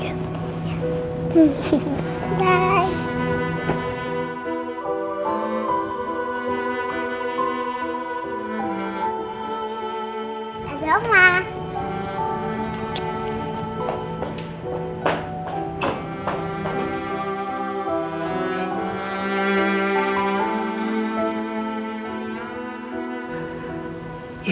dia selalu suka berdua jual jual mantra